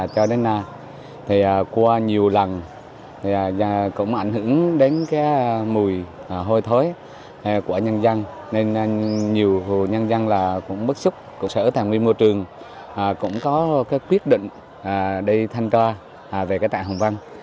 cho đến nay qua nhiều lần cũng ảnh hưởng đến mùi hôi thối của nhân dân nên nhiều nhân dân bất xúc sở tham nguyên môi trường cũng có quyết định đi thanh toa về tại hùng vân